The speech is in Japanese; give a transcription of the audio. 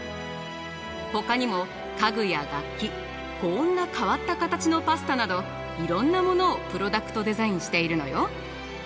ほかにも家具や楽器こんな変わった形のパスタなどいろんなモノをプロダクトデザインしているのよ。